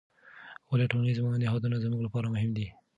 ولې ټولنیز نهادونه زموږ لپاره مهم دي؟